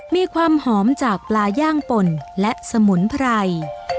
มีความหอมจากปลาย่างป่นและสมุนไพร